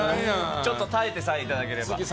ちょっと耐えてさえいただければ。